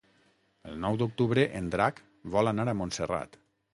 El nou d'octubre en Drac vol anar a Montserrat.